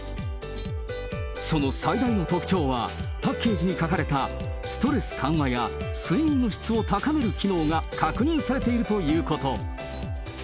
その最大の特徴は、パッケージに書かれたストレス緩和や、睡眠の質を高める機能が確認されているということ。